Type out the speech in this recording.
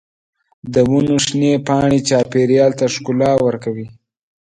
د ونو شنې پاڼې چاپېریال ته ښکلا ورکوي.